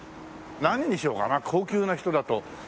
何にしようかな高級な人だと。